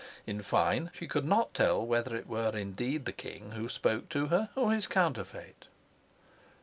In fine, she could not tell whether it were indeed the king who spoke to her or his counterfeit.